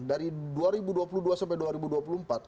dari dua ribu dua puluh dua sampai dua ribu dua puluh empat